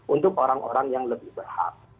untuk orang orang yang lebih berhak